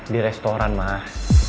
di restoran mah